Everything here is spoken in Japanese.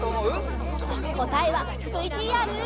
こたえはＶＴＲ。